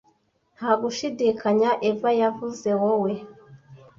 nta gushidikanya eva yavuze wowe